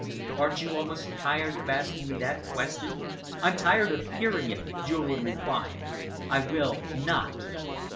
"Aren't you almost tired of asking me that question? I'm tired of hearing it," Julian replied. "I will not."